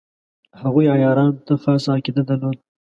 هغوی عیارانو ته خاصه عقیده درلوده.